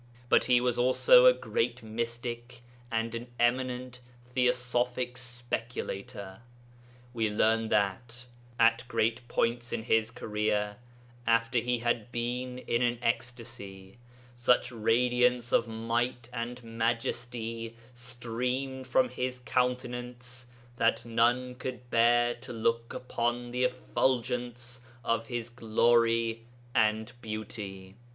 But he was also a great mystic and an eminent theosophic speculator. We learn that, at great points in his career, after he had been in an ecstasy, such radiance of might and majesty streamed from his countenance that none could bear to look upon the effulgence of his glory and beauty.